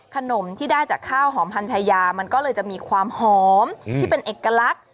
ขนมที่ได้จากข้าวหอมพันชายามันก็เลยจะมีความหอมที่เป็นเอกลักษณ์